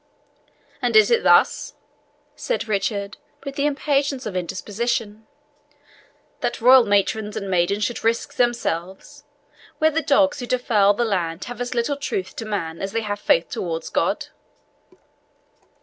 "And is it thus," said Richard, with the impatience of indisposition, "that royal matrons and maidens should risk themselves, where the dogs who defile the land have as little truth to man as they have faith towards God?"